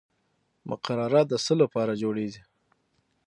مقرره د څه لپاره جوړیږي؟